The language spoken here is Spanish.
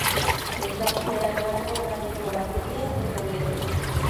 Es la primera gran obra de Covarrubias en Toledo.